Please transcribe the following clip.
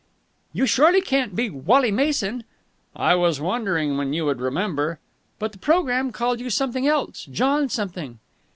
"You surely can't be Wally Mason!" "I was wondering when you would remember." "But the programme called you something else John something."